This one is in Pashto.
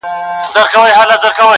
ده ویله نه طالب یم نه ویلی مي مکتب دی,